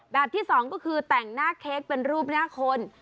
ที่สองก็คือแต่งหน้าเค้กเป็นรูปหน้าคน